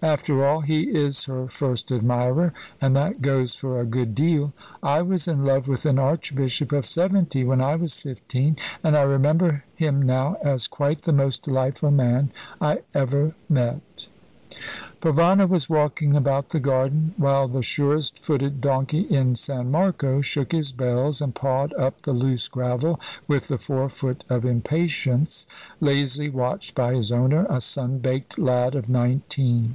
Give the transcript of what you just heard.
After all, he is her first admirer, and that goes for a good deal. I was in love with an archbishop of seventy when I was fifteen; and I remember him now as quite the most delightful man I ever met." Provana was walking about the garden, while the surest footed donkey in San Marco shook his bells and pawed up the loose gravel with the forefoot of impatience, lazily watched by his owner, a sun baked lad of nineteen.